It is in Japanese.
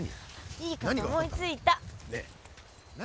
いいこと思いついた。